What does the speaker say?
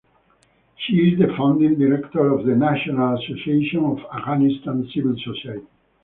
She is the Founding Director of the National Association of Afghanistan Civil Society.